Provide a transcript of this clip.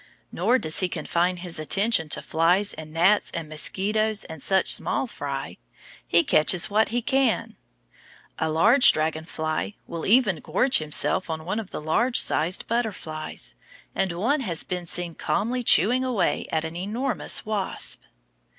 Nor does he confine his attention to flies and gnats and mosquitoes and such small fry. He catches what he can. A large dragon fly will even gorge himself on one of the large sized butterflies, and one has been seen calmly chewing away at an enormous wasp!